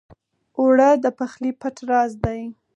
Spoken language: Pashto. اوړه د پخلي پټ راز دی